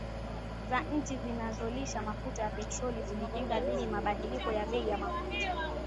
za nchi zinazolisha mafuta ya petroli Kujikinga dhidi mabadiliko ya bei ya mafuta